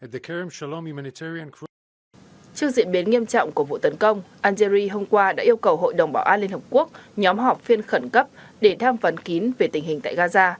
trước diễn biến nghiêm trọng của vụ tấn công algeria hôm qua đã yêu cầu hội đồng bảo an liên hợp quốc nhóm họp phiên khẩn cấp để tham vấn kín về tình hình tại gaza